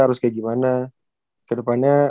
harus kayak gimana kedepannya